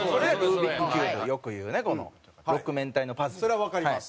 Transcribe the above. それはわかります。